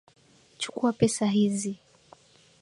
Chukua pesa hizi.